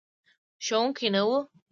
ښوونکی نه و.